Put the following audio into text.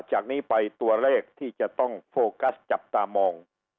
จากนี้ไปตัวเลขที่จะต้องโฟกัสจับตามอง